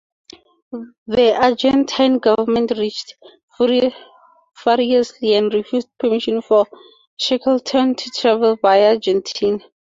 The Argentine Government reacted furiously and refused permission for Shackleton to travel via Argentina.